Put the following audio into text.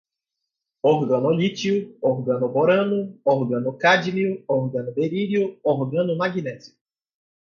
organolítio, organoborano, organocádmio, organoberílio, organomagnésio